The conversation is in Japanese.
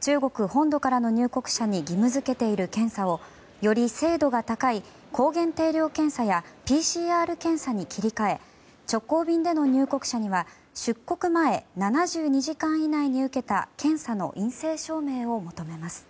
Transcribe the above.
中国本土からの入国者に義務付けている検査をより精度が高い抗原定量検査やＰＣＲ検査に切り替え直行便での入国者には出国前７２時間以内に受けた検査の陰性証明を求めます。